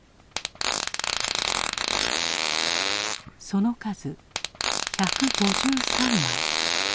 その数１５３枚。